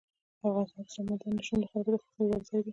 افغانستان کې سمندر نه شتون د خلکو د خوښې وړ ځای دی.